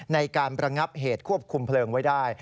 ในการประงับเหตุควบคุมเพลิงไว้ได้